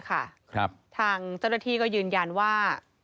ทางเจ้าหน้าที่ก็ยืนยันว่า